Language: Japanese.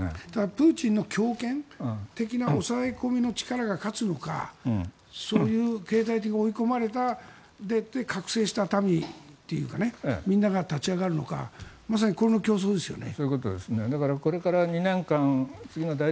プーチンの強権的な抑え込みの力が勝つのかそういう経済的に追い込まれて覚醒した民みんなが立ち上がるのかまさにこれの競争ですよね。